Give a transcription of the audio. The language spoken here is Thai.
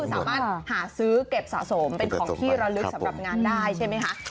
สามารถหาซื้อเก็บสะสมเป็นของที่ระลึกสำหรับงานได้ใช่ไหมคะ